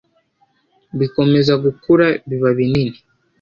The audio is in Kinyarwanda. bikomeza gukura biba binini